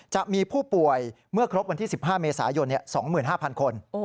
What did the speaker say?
จะมีผู้ป่วยเมื่อครบวันที่๑๕เมษายน๒๕๐๐คน